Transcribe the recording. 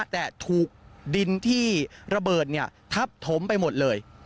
แต่ถูกดินที่ระเบิดทับถมไปหมดเลย